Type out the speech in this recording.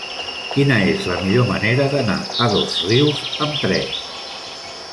Quina és la millor manera d'anar a Dosrius amb tren?